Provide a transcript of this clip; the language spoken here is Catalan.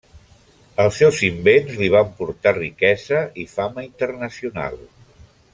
Els seus invents li van portar riquesa i fama internacional.